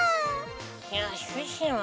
いやシュッシュの。